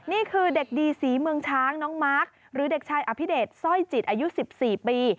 นี่คือเด็กดีศรีเมืองช้างน้องมาร์คหรือเด็กชายอภิเดชสร้อยจิตอายุ๑๔ปี